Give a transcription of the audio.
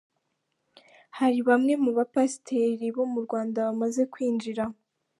Hari bamwe mu ba pasiteri bo mu Rwanda bamaze kwinjira :.